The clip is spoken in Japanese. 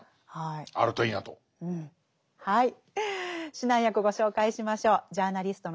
指南役ご紹介しましょう。